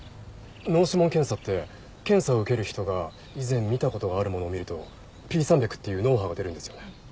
脳指紋検査って検査を受ける人が以前見た事があるものを見るとＰ３００っていう脳波が出るんですよね。